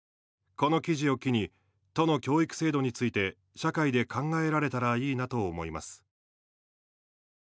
この記事を機に都の教育制度について社会で考えられたらいいなと思います。